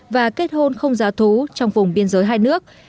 và kết hôn không giá thú trong vùng biên giới hai nước